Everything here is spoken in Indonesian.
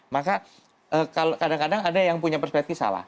maka kadang kadang ada yang punya perspektif salah